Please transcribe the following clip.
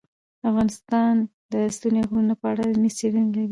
افغانستان د ستوني غرونه په اړه علمي څېړنې لري.